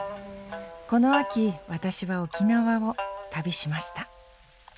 この秋私は沖縄を旅しました。